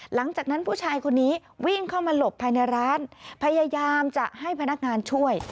หลังจากนั้นผู้ชายคนนี้วิ่งเข้ามาหลบภายในร้านพยายามจะให้พนักงานช่วย